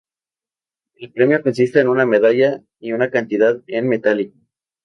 El premio consiste en una medalla y una cantidad en metálico.